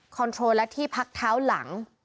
โทรและที่พักเท้าหลัง